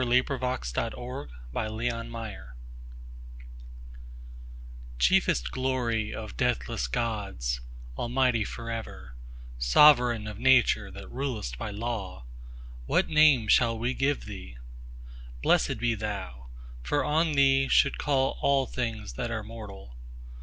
The Hymn of Cleanthes CHIEFEST glory of deathless Gods, Almighty for ever, Sovereign of Nature that rulest by law, what Name shall we give Thee?—Blessed be Thou! for on Thee should call all things that are mortal.